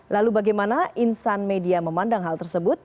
lalu bagaimana insan media memandang hal tersebut